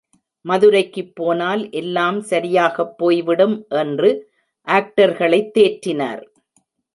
மதுரைக்குப் போனால் எல்லாம் சரியாகப் போய்விடும் என்று ஆக்டர்களைத் தேற்றினார்.